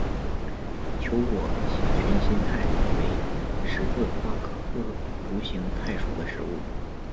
球果群心菜为十字花科独行菜属的植物。